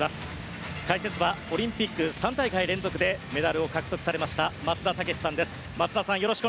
解説はオリンピック３大会連続でメダルを獲得されました松田丈志さんです。